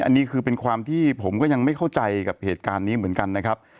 อันนี้คือเป็นความที่ผมก็ยังไม่เข้าใจกับเหตุการณ์นี้เหมือนกันนะครับ